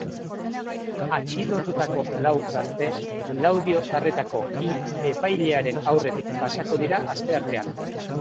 Atxilotutako lau gazte laudiotarretako bi epailearen aurretik pasako dira asteartean.